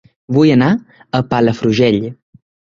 Vull anar a Palafrugell